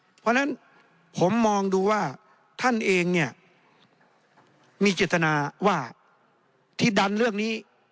เพราะฉะนั้นผมมองดูว่าท่านเองเนี่ยมีเจตนาว่าที่ดันเรื่องนี้